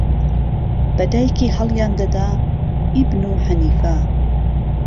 بە دایکی هەڵیان دەدا ایبنو حەنیفە.